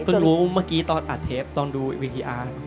เพิ่งครูเมื่อกี้ตอนอาจเทปตอนดูวิทยาลัย